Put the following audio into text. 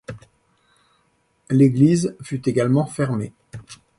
L’église fut également fermée.